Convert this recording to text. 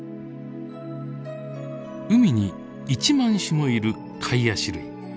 海に１万種もいるカイアシ類。